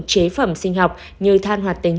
chế phẩm sinh học như than hoạt tính